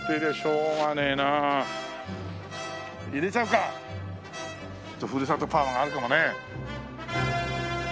ふるさとパワーがあるかもね。